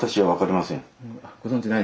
ご存じない？